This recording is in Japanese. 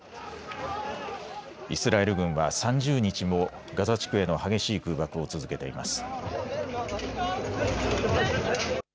イスラエル軍は３０日もガザ地区への激しい空爆を続けています。